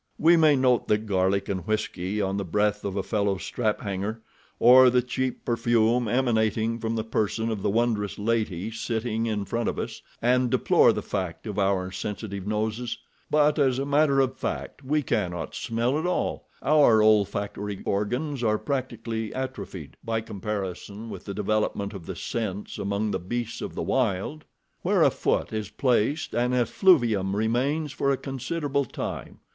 We may note the garlic and whisky on the breath of a fellow strap hanger, or the cheap perfume emanating from the person of the wondrous lady sitting in front of us, and deplore the fact of our sensitive noses; but, as a matter of fact, we cannot smell at all, our olfactory organs are practically atrophied, by comparison with the development of the sense among the beasts of the wild. Where a foot is placed an effluvium remains for a considerable time.